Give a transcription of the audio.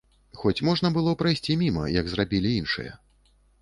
Хоць можна было прайсці міма, як зрабілі іншыя.